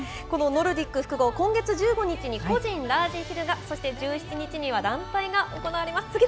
このノルディック複合、今月１５日に個人ラージヒルが、そして１７日には団体が行われます。